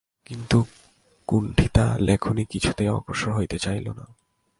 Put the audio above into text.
কিন্তু কুণ্ঠিতা লেখনী কিছুতেই অগ্রসর হইতে চাহিল না।